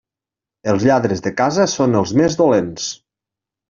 Els lladres de casa són els més dolents.